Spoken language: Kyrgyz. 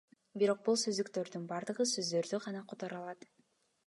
Бирок бул сөздүктөрдүн баардыгы сөздөрдү гана которо алат.